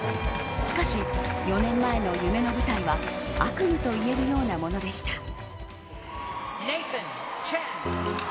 しかし、４年前の夢の舞台は悪夢といえるようなものでした。